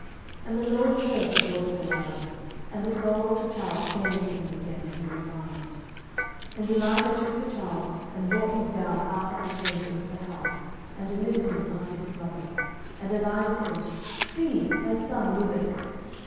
11:017:022 And the LORD heard the voice of Elijah; and the soul of the child came into him again, and he revived. 11:017:023 And Elijah took the child, and brought him down out of the chamber into the house, and delivered him unto his mother: and Elijah said, See, thy son liveth.